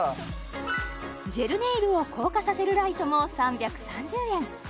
ジェルネイルを硬化させるライトも３３０円